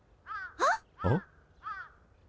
あっ。